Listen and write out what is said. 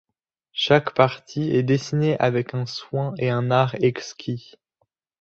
Chaque partie est dessinée avec un soin et un art exquis.